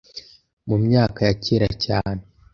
Mu myaka ya cyera cyane